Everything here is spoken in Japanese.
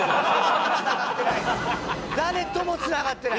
誰ともつながってない。